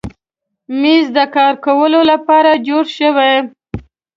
مېز د کار کولو لپاره جوړ شوی.